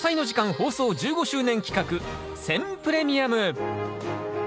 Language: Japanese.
放送１５周年企画選プレミアム。